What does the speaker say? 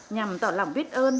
nhằm tỏ lòng viết ơn